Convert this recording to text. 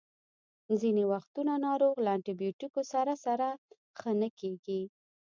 ځینې وختونه ناروغ له انټي بیوټیکو سره سره ښه نه کیږي.